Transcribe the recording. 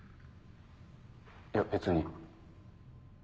いや別に。